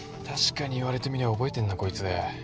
確かに言われてみりゃ覚えてんなこいつ。